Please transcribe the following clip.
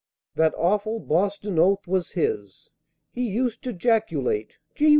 That awful Boston oath was his He used to 'jaculate, "Gee Whiz!"